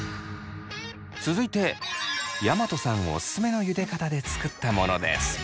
続いて大和さんおすすめのゆで方で作ったものです。